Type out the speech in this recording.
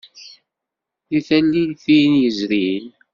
Deg tallitin yezrin.